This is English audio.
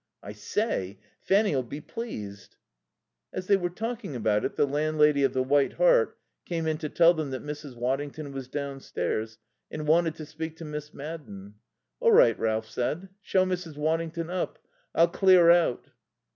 "I say Fanny'll he pleased." As they were talking about it, the landlady of the White Hart came in to tell them that Mrs. Waddington was downstairs and wanted to speak to Miss Madden. "All right," Ralph said. "Show Mrs. Waddington up. I'll clear out."